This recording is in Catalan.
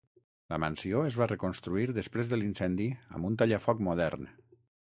La mansió es va reconstruir després de l'incendi amb un tallafoc modern.